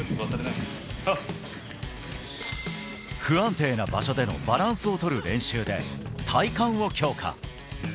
不安定な場所でのバランスをとる練習で、体幹を強化。